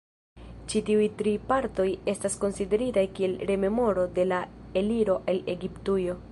Ĉi tiuj tri partoj estas konsideritaj kiel rememoro de la eliro el Egiptujo.